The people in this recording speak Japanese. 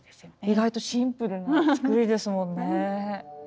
意外とシンプルな作りですもんね。